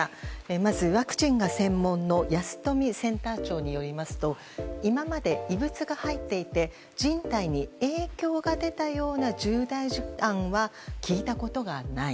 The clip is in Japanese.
まず、ワクチンが専門の保富センター長によりますと今まで異物が入っていて人体に影響が出たような重大事案は聞いたことがない。